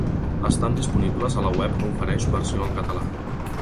Estan disponibles a la web que ofereix versió en català.